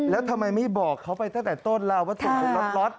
แล้วทำไมไม่บอกเขาไปตั้งแต่ต้นล่ะว่าถูกล็อต